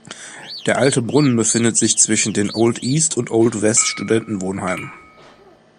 Der Alte Brunnen befindet sich zwischen den Old East und Old West Studentenwohnheimen.